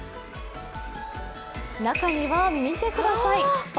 中には見てください爆